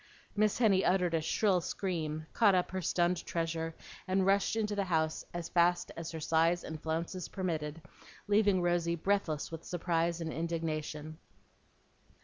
Miss Henny uttered a shrill scream, caught up her stunned treasure, and rushed into the house as fast as her size and flounces permitted, leaving Rosy breathless with surprise and indignation.